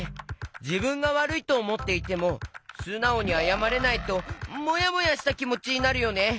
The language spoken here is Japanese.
じぶんがわるいとおもっていてもすなおにあやまれないともやもやしたきもちになるよね。